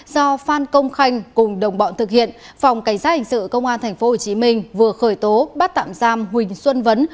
do phan công khanh cùng đồng bọn thực hiện phòng cảnh sát hình sự công an tp hcm vừa khởi tố bắt tạm giam huỳnh xuân vấn